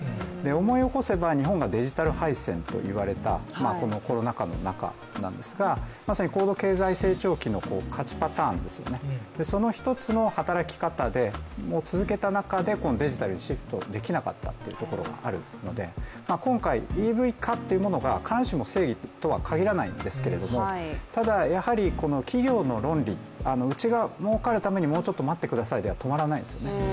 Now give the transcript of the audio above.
思い起こせば日本がデジタル敗戦といわれたこのコロナ禍の中なんですが高度経済成長期の勝ちパターンですよね、その一つの働き方を続けた中で、このデジタルにシフトできなかったというところがあるので今回、ＥＶ化というものが必ずしも正義とは限らないんですけど、ただ、やはり企業の論理、うちが儲かるためにもうちょっと待ってくださいでは止まらないですよね。